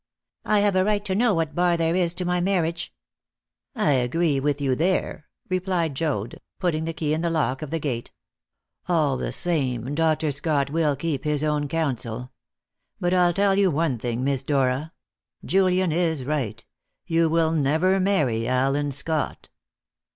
"I have a right to know what bar there is to my marriage." "I agree with you there," replied Joad, putting the key in the lock of the gate. "All the same, Dr. Scott will keep his own counsel. But I'll tell you one thing, Miss Dora Julian is right: you will never marry Allen Scott."